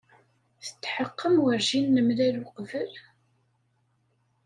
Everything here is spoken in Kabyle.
Tetḥeqqem werjin nemlal uqbel?